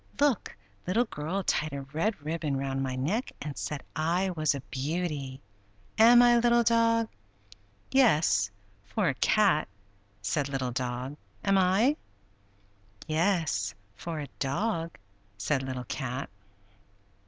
Look! Little Girl tied a red ribbon round my neck, and said I was a beauty. Am I, Little Dog?" "Yes, for a cat!" said Little Dog. "Am I?" "Yes, for a dog!" said Little Cat.